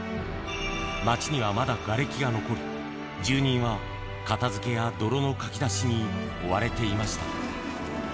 町にはまだがれきが残り、住人は片づけや泥のかき出しに追われていました。